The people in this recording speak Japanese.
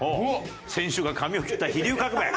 選手が髪を切った飛龍革命。